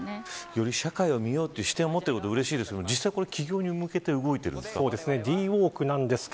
より、社会を見ようという視点持ってること、うれしいですが実際、起業に向けて動いているんですか。